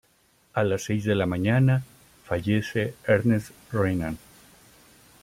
A las seis de la mañana, fallece Ernest Renan.